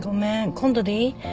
今度でいい？